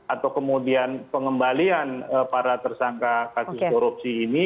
atau kemudian pengembalian para tersangka kasus korupsi ini